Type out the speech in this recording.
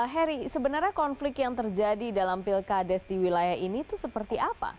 heri sebenarnya konflik yang terjadi dalam pilkades di wilayah ini itu seperti apa